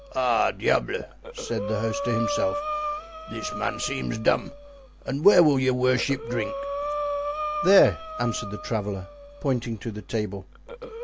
"Ah, diable!" said the host to himself; "this man seems dumb. And where will your worship drink?" "There," answered the traveler, pointing to the table.